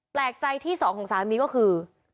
แปลกใจที่สองของสามีก็คือ